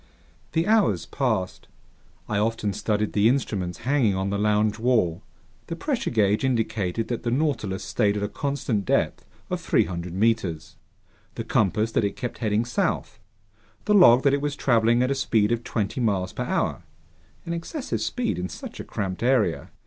The hours passed. I often studied the instruments hanging on the lounge wall. The pressure gauge indicated that the Nautilus stayed at a constant depth of 300 meters, the compass that it kept heading south, the log that it was traveling at a speed of twenty miles per hour, an excessive speed in such a cramped area.